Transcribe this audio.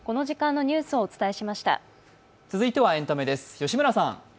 続いてはエンタメです。